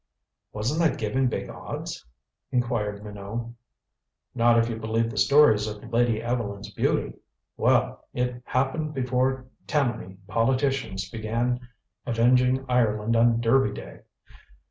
"Wasn't that giving big odds?" inquired Minot. "Not if you believe the stories of Lady Evelyn's beauty. Well, it happened before Tammany politicians began avenging Ireland on Derby Day.